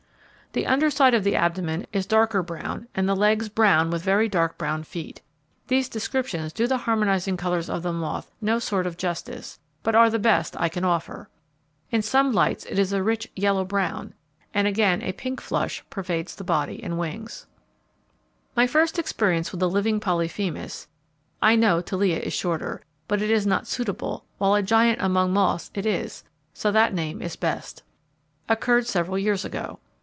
The under side of the abdomen is darker brown, and the legs brown with very dark brown feet. These descriptions do the harmonizing colours of the moth no sort of justice, but are the best I can offer. In some lights it is a rich YELLOW BROWN, and again a pink flush pervades body and wings. My first experience with a living Polyphemis (I know Telea is shorter, but it is not suitable, while a giant among moths it is, so that name is best) occurred several years ago.